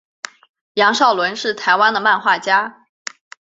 杨邵伦是台湾的漫画家。